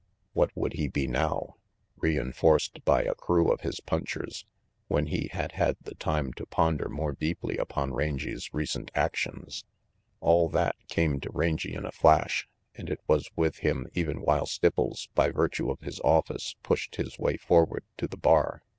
What would he be now, reinforced 174 RANGY PETE by a crew of his punchers, when he had had the time to ponder more deeply upon Rangy 's recent actions? All that came to Rangy in a flash and it was with him even while Stipples, by virtue of his office, pushed his way forward to the bar.